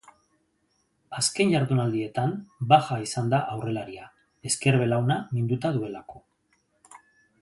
Azken jardunaldietan baja izan da aurrelaria, ezker belauna minduta duelako.